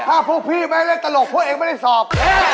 ถ้าพวกพี่ไม่เล่นตลกพวกเองไม่ได้สอบ